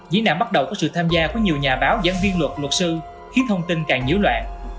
nhĩ nạn bắt đầu có sự tham gia của nhiều nhà báo giám viên luật luật sư khiến thông tin càng dữ loạn